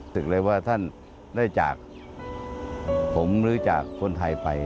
รู้สึกเลยว่าท่านได้จากผมหรือจากคนไทยไป